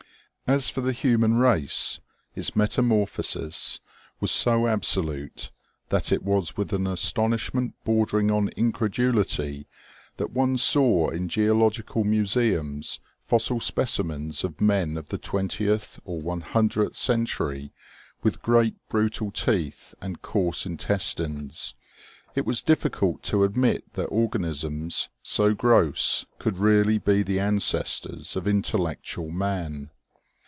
As for the human race, its metamor phosis was so absolute that it was with an astonishment bordering on incredulity that one saw in geological mu seums fossil specimens of men of the twentieth or one OMEGA. $35 hundredth century, with great brutal teeth and coarse intestines ; it was difficult to admit that organisms so gross could really be the ancestors of intellectual man.